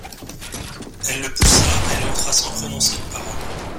Elle le poussa, elle entra sans prononcer une parole.